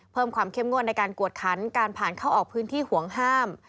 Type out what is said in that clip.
เพิ่มความเข้มงวดในการกวดขันการผ่านเข้าออกพื้นที่ห่วงห้าม